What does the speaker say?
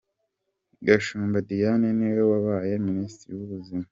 Gashumba Diane niwe wabaye Minisitiri y’ubuzima.